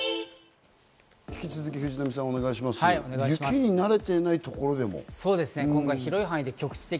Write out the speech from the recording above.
雪に慣れていないところでも？